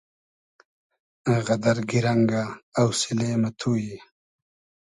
غئدئر گیرئنگۂ اۆسیلې مۂ تو یی